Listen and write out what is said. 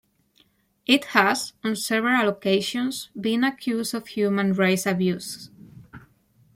It has, on several occasions, been accused of human rights abuses.